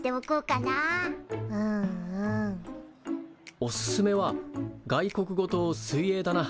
おすすめは外国語と水泳だな。